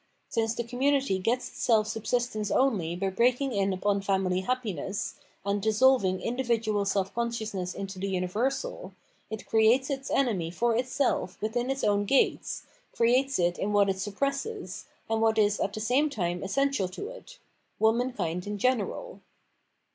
Since the community gets itself subsistence only by breaking in upon family happiness, and dissolving [individual] self consciousness into the universal, it creates its enemy for itself within its own gates, creates it in what it suppresses, and what is at the same time essen tial to it — womankind in general.